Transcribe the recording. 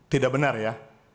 tidak benar ya